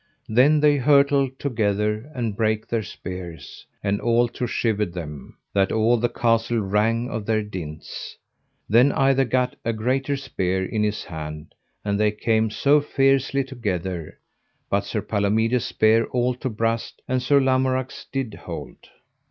Then they hurtled together, and brake their spears, and all to shivered them, that all the castle rang of their dints. Then either gat a greater spear in his hand, and they came so fiercely together; but Sir Palomides' spear all to brast and Sir Lamorak's did hold.